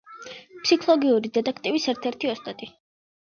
ფსიქოლოგიური დეტექტივის ერთ–ერთი ოსტატი.